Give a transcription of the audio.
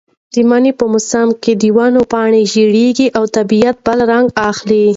د مني په موسم کې د ونو پاڼې ژېړېږي او طبیعت بل رنګ اخلي.